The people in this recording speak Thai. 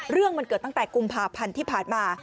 เรื่องมันเกิดตั้งแต่กุมภาพันธ์ที่ผ่านมา